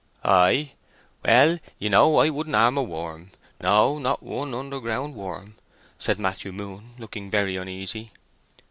"I? Why ye know I wouldn't harm a worm—no, not one underground worm?" said Matthew Moon, looking very uneasy.